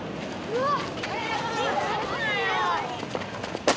うわっ！